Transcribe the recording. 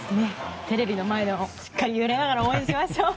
テレビの前でもしっかり揺れながら応援しましょう。